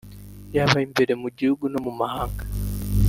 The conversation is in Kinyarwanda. yaba imbere mu gihugu no mu mahanga